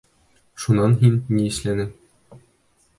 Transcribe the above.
Шунан һин ни эшләнең?